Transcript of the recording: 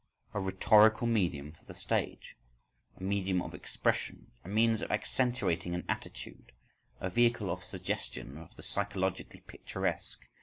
_, a rhetorical medium for the stage, a medium of expression, a means of accentuating an attitude, a vehicle of suggestion and of the psychologically picturesque.